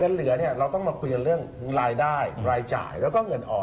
เหลือเนี่ยเราต้องมาคุยกันเรื่องรายได้รายจ่ายแล้วก็เงินอ่อน